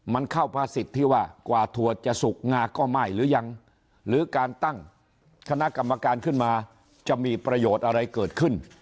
มันเข้าภาษิตที่ว่ากว่าถั่วจะสุกงาก็ไหม้หรือยังหรือการตั้งคณะกรรมการขึ้นมาจะมีประโยชน์อะไรเกิดขึ้น